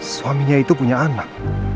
suaminya itu punya anak